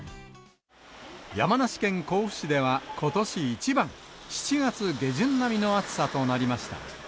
山梨県甲府市では、ことし一番、７月下旬並みの暑さとなりました。